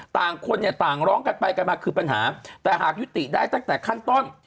ต่างคนเนี่ยต่างร้องกันไปกันมาคือปัญหาแต่หากยุติได้ตั้งแต่ขั้นต้น